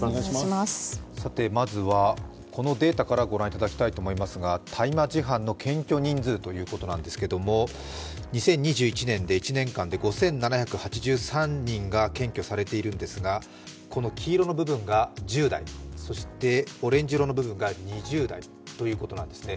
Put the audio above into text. まずは、このデータからご覧いただきたいと思いますが、大麻事犯の検挙人数ということなんですけど２０２１年で１年間で５７８３人が検挙されているんですがこの黄色の部分が１０代そして、オレンジ色の部分が２０代ということなんですね。